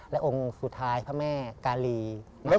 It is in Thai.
และองค์สุดท้ายพระแม่กาลี